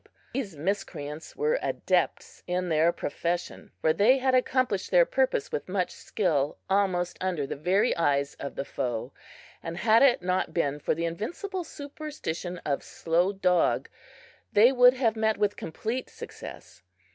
These miscreants were adepts in their profession, for they had accomplished their purpose with much skill, almost under the very eyes of the foe, and had it not been for the invincible superstition of Slow Dog, they would have met with complete success.